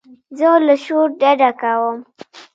زه له شور ډډه کوم.